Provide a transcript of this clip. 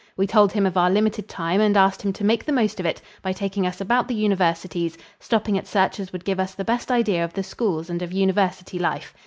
We told him of our limited time and asked him to make the most of it by taking us about the universities, stopping at such as would give us the best idea of the schools and of university life.